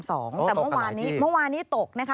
ตกที่ไหนที่แต่เมื่อวานนี้ตก